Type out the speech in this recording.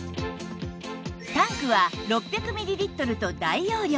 タンクは６００ミリリットルと大容量